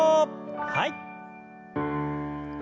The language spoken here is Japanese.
はい。